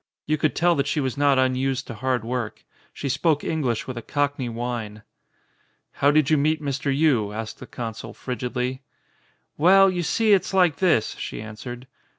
You could tell that she was not unused to hard work. She •spoke English with a Cockney whine. "How did you meet Mr. Yii?" asked the consul frigidly. "Well, you see, it's like this," she answered.